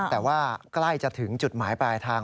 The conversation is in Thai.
แต่ว่าใกล้จะถึงจุดหมายปลายทาง